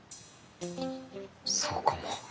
そうかも。